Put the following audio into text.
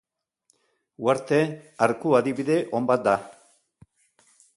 Uharte arku adibide on bat da.